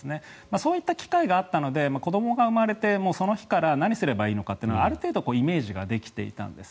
そういう機会があったので子どもが産まれてその日から何をすればいいのかというのがある程度イメージができていたんです。